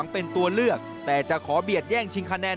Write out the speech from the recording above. เป็นตัวเลือกแต่จะขอเบียดแย่งชิงคะแนน